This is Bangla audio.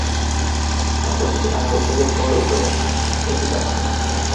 অপরদিকে নানা উদ্যোগের পরও প্রবাসী আয়ে গতি বাড়ছে না।